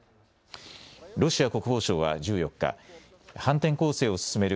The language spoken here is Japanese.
ロシア国防省は１４日、反転攻勢を進める